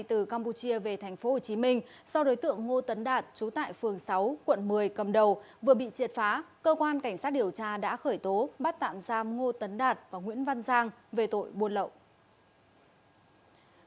từ campuchia về tp hcm do đối tượng ngô tấn đạt trú tại phường sáu quận một mươi cầm đầu vừa bị triệt phá cơ quan cảnh sát điều tra đã khởi tố bắt tạm giam ngô tấn đạt và nguyễn văn giang về tội buôn lậu